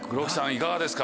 いかがですか？